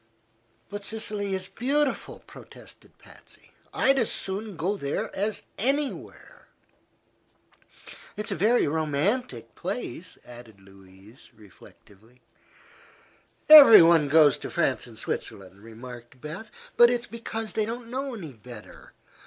"But Sicily is beautiful," protested Patsy. "I'd as soon go there as anywhere." "It's a very romantic place," added Louise, reflectively. "Everybody goes to France and Switzerland," remarked Beth. "But it's because they don't know any better.